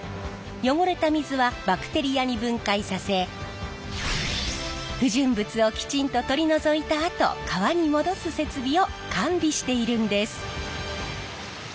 汚れた水はバクテリアに分解させ不純物をきちんと取り除いたあと川に戻す設備を完備しているんです。